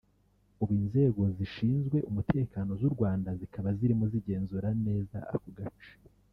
ubu inzego zishinzwe umutekano z’u Rwanda zikaba zirimo zigenzura neza ako gace